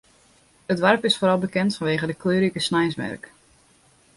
It doarp is foaral bekend fanwege de kleurrike sneinsmerk.